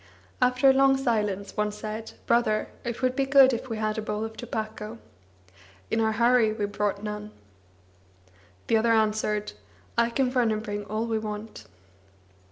After a long silence, one said: "Brother, it would be good if we had a bowl of tobacco. In our hurry we brought none." The other answered: "I can run and bring all we want."